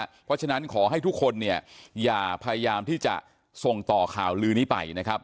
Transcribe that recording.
เพราะฉะนั้นขอให้ทุกคนเนี่ยอย่าพยายามที่จะส่งต่อข่าวลือนี้ไปนะครับ